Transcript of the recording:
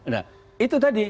nah itu tadi